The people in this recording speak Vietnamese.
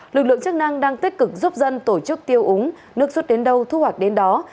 lực lượng chức năng đang tích cực giúp dân tổ chức tiêu úng nước rút đến đâu thu hoạch đến đó